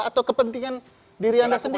atau kepentingan diri anda sendiri